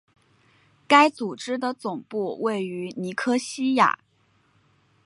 该组织的总部位于尼科西亚。